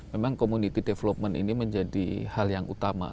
memang community development ini menjadi hal yang utama